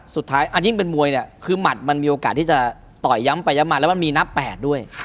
อันยิ่งเป็นมวยเนี่ยคือหมัดมันมีโอกาสที่จะต่อยย้ำไปย้ำมาแล้วมันมีนับ๘ด้วย